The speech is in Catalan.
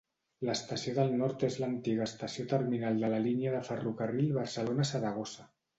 L'estació del Nord és l'antiga estació terminal de la línia de ferrocarril Barcelona-Saragossa.